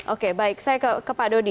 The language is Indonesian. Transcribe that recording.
oke baik saya ke pak dodi